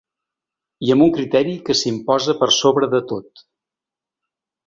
I amb un criteri que s’imposa per sobre de tot.